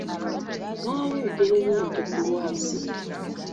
Nalabwe ebigere by’ente ku lwazi.